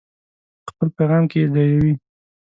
په خپل پیغام کې یې ځایوي.